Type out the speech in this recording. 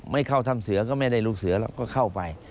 ไม่เข้าถ้ำเสือก็ไม่ได้ลูกเสือเราก็เข้าไป